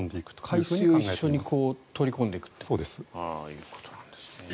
海水を一緒に取り組んでいくということなんですね。